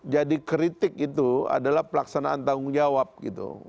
jadi kritik itu adalah pelaksanaan tanggung jawab gitu